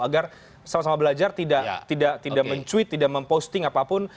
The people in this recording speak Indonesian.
agar sama sama belajar tidak mencuit tidak memposting apapun